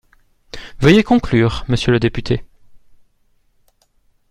Veuillez conclure, monsieur le député.